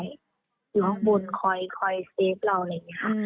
อยู่ข้างบนคอยเซฟเราอะไรอย่างนี้ค่ะ